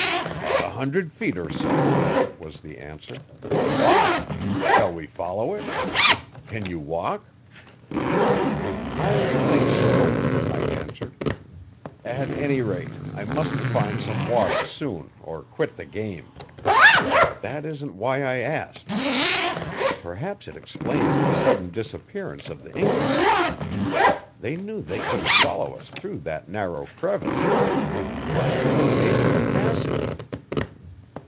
"A hundred feet or so," was the answer. "Why? Shall we follow it? Can you walk?" "I think so," I answered. "At any rate, I must find some water soon or quit the game. But that isn't why I asked. Perhaps it explains the sudden disappearance of the Incas. They knew they couldn't follow us through that narrow crevice; what if they have made for the passage?"